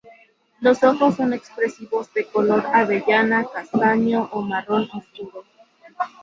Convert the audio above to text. Los ojos son expresivos, de color avellana, castaño o marrón oscuro.